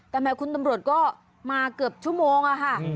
แต่แม้คุณตำรวจก็มาเกือบชั่วโมงอะค่ะ